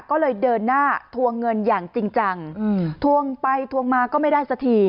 ก็เลยเดินหน้าทวงเงินอย่างจริงจังทวงไปทวงมาก็ไม่ได้สักที